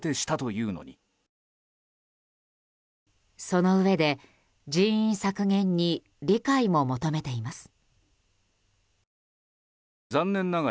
そのうえで人員削減に理解も求めています。